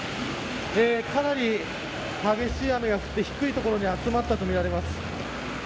かなり激しい雨が降って低い所に集まったとみられます。